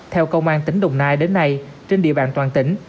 theo công an tỉnh đồng nai đến nay trên địa bàn toàn tỉnh